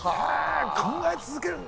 考え続けるんだ。